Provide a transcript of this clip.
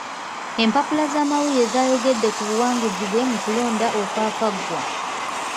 Empapula z'amawulire zaayogedde ku buwanguzi bwe mu kulonda okwakaggwa.